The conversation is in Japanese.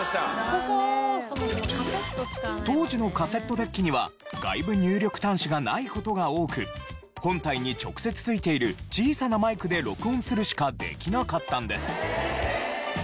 当時のカセットデッキには外部入力端子がない事が多く本体に直接付いている小さなマイクで録音するしかできなかったんです。